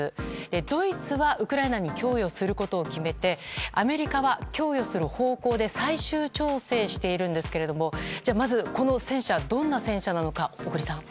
ドイツはウクライナに供与することを決めてアメリカは供与する方向で最終調整しているんですけどまず、この戦車はどんな戦車なのか、小栗さん。